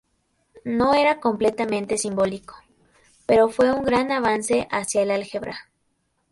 No era completamente simbólico, pero fue un gran avance hacia el álgebra.